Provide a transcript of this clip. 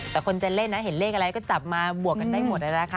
แต่คนจะเล่นนะเห็นเลขอะไรก็จับมาบวกกันได้หมดนะคะ